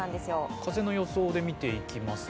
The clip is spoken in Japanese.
風の予想で見ていきますと。